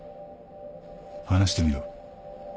話してみろ。